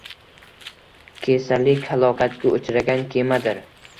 Kesalik halokatga uchragan kemadir.